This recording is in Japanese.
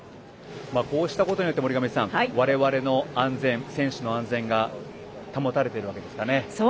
こうしたことによって森上さん、我々や選手の安全が保たれているわけですからね。